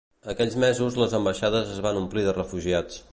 Aquells mesos les ambaixades es van omplir de refugiats.